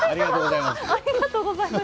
ありがとうございます。